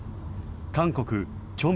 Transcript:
韓国・チョン